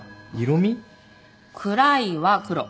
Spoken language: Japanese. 「暗い」は黒。